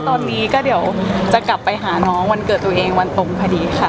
ตอนนี้ก็เดี๋ยวจะกลับไปหาน้องวันเกิดตัวเองวันตรงพอดีค่ะ